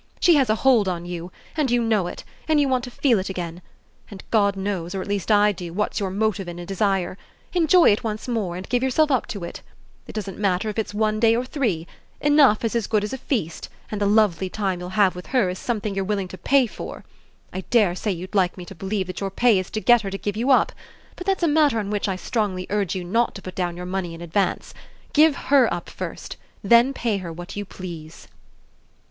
She has a hold on you, and you know it, and you want to feel it again and God knows, or at least I do, what's your motive and desire enjoy it once more and give yourself up to it! It doesn't matter if it's one day or three: enough is as good as a feast and the lovely time you'll have with her is something you're willing to pay for! I dare say you'd like me to believe that your pay is to get her to give you up; but that's a matter on which I strongly urge you not to put down your money in advance. Give HER up first. Then pay her what you please!"